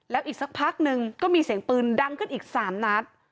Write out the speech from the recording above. แล้วอีกสักพักนึงก็มีเสียงปืนดังขึ้นอีก๓นัด